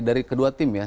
dari kedua tim ya